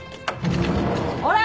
ほら！